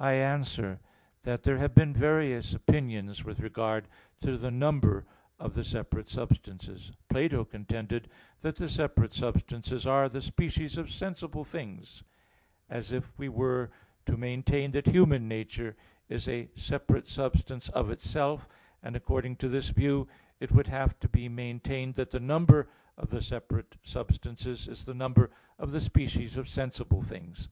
I answer that, There have been various opinions with regard to the number of the separate substances. Plato contended that the separate substances are the species of sensible things; as if we were to maintain that human nature is a separate substance of itself: and according to this view it would have to be maintained that the number of the separate substances is the number of the species of sensible things.